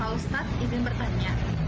tau stat izin bertanya